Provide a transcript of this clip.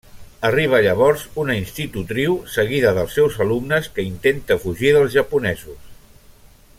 Arriba llavors una institutriu seguida dels seus alumnes que intenta fugir dels japonesos.